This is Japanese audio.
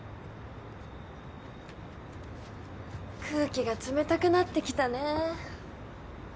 空気が冷たくなってきたね。